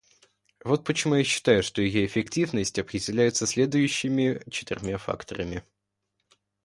Вот почему я считаю, что ее эффективность определяется следующими четырьмя факторами.